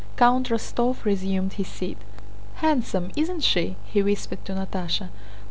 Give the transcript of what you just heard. Count Rostóv resumed his seat. "Handsome, isn't she?" he whispered to Natásha.